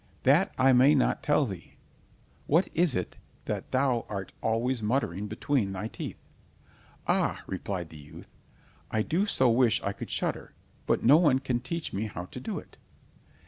"That I may not tell thee." "What is it that thou art always muttering between thy teeth?" "Ah," replied the youth, "I do so wish I could shudder, but no one can teach me how to do it."